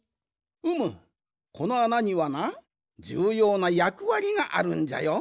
うむこのあなにはなじゅうようなやくわりがあるんじゃよ。